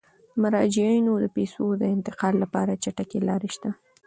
د مراجعینو د پيسو د انتقال لپاره چټکې لارې شته.